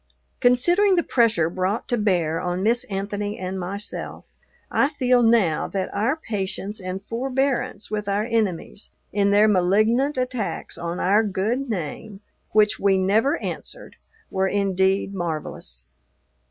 Considering the pressure brought to bear on Miss Anthony and myself, I feel now that our patience and forbearance with our enemies in their malignant attacks on our good, name, which we never answered, were indeed marvelous.